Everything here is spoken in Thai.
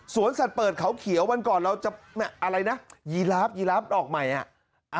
สัตว์เปิดเขาเขียววันก่อนเราจะอะไรนะยีราฟยีราฟออกใหม่อ่ะ